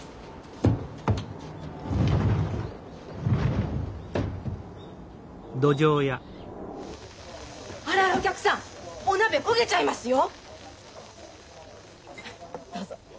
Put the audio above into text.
もうこちらのお客さんもお鍋焦げちゃいますよ。